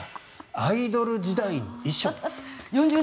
アイドル時代の衣装。